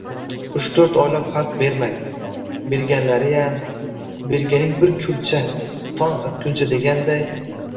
Uch-to‘rt oylab haq bermaydi, berganlariyam… Berganing bir kulcha, … tong otguncha deganday